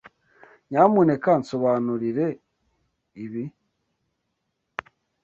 Nyamuneka nsobanurire ibi?